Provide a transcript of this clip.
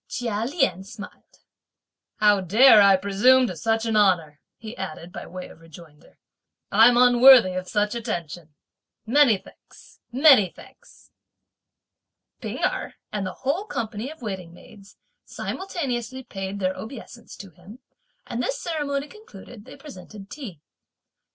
Chia Lien smiled. "How dare I presume to such an honour," he added by way of rejoinder; "I'm unworthy of such attention! Many thanks, many thanks." P'ing Erh and the whole company of waiting maids simultaneously paid their obeisance to him, and this ceremony concluded, they presented tea.